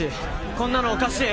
こんなのおかしい！